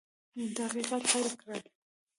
تحقیقات پیل کړل.